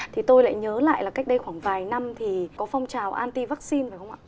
thì tôi lại nhớ lại là cách đây khoảng vài năm thì có phong trào anti vaccine phải không ạ